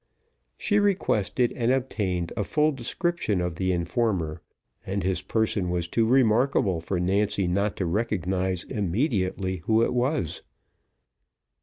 She requested, and obtained a full description of the informer, and his person was too remarkable, for Nancy not to recognise immediately who it was.